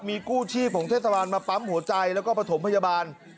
มีกู้ชีพของเทศบาลมาปั๊มหัวใจแล้วก็ประถมพยาบาล